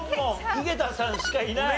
井桁さんしかいない。